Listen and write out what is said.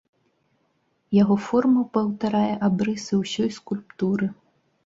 Яго форма паўтарае абрысы ўсёй скульптуры.